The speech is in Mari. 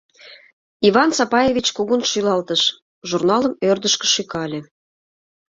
Иван Сапаевич кугун шӱлалтыш, журналым ӧрдыжкӧ шӱкале.